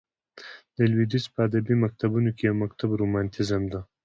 د لوېدیځ په ادبي مکتبونو کښي یو مکتب رومانتیزم دئ.